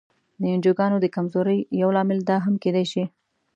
د انجوګانو د کمزورۍ یو لامل دا هم کېدای شي.